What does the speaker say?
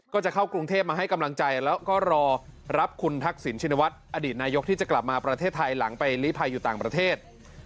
ก็จะเข้ากรุงเทพมาให้กำลังใจแล้วก็รอรับคุณทักษิณชินวัฒน์อดีตนายกที่จะกลับมาประเทศไทยหลังไปลีภัยอยู่ต่างประเทศ